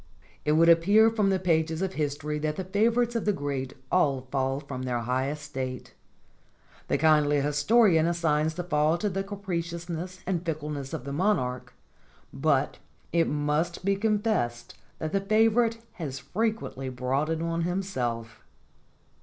It would appear from the pages of history that the favorites of the great all fall from their high estate. The kindly historian assigns the fall to the capricious ness and fickleness of the monarch, but it must be confessed that the favorite has frequently brought it on himself.